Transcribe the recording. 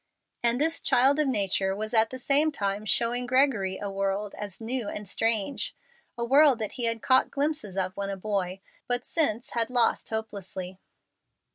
And this child of nature was at the same time showing Gregory a world as new and strange a world that he had caught glimpses of when a boy, but since had lost hopelessly.